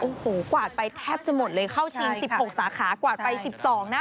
โอ้โหกวาดไปแทบจะหมดเลยเข้าชีนสิบหกสาขากวาดไปสิบสองนะ